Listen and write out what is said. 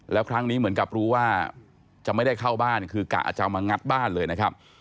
แล้วครั้งนี้เหมือนกับรู้ว่าจะไม่ได้เข้าบ้านคือกะจะเอามางัดบ้านเลยนะครับ